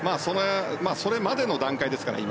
それまでの段階ですから、今。